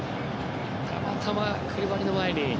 たまたまクリバリの前に。